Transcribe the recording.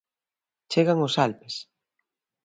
Chegan os Alpes.